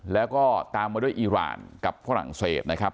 แล้วก็ตามมาด้วยอีรานกับฝรั่งเศสนะครับ